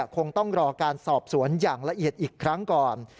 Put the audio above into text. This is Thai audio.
คงต้องรอการสอบสวนอย่างละเอียดอีกครั้งก่อน